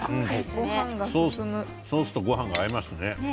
ソースとごはんが合いますね。